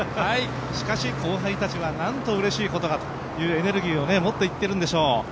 しかし後輩たちはなんとうれしいことかと、エネルギーを持ってきてくれるんでしょう。